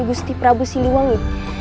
gusti prabu siliwangi